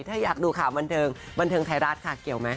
ถ้าอยากดูข่าวบันเทิงพี่ลุ่บันเทิงไทยราชค่ะเกี่ยวมั้ย